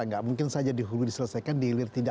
tidak mungkin saja di hulu diselesaikan di hilir tidak